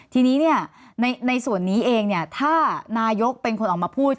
ทีนี้ในส่วนนี้เองถ้านายกเป็นคนออกมาพูด